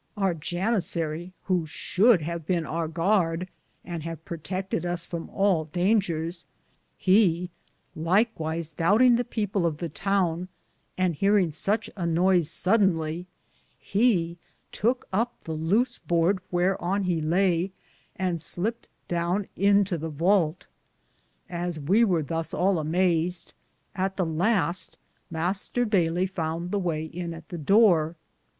Our janisarie, who should have bene our garde, and have protecked us from all Daingeres, he lykwyse doubtinge the people of the towne, and hear inge suche a noyse sodonly, he touke up the louse borde wheare on he laye, and sliped Downe into the valte. As we weare thus all amayzed, at the laste Mr. Bayllye founde the waye in at the doore.